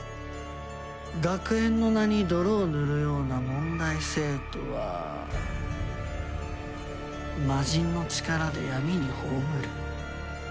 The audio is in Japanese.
学園の名に泥を塗るような問題生徒は魔人の力で闇に葬る。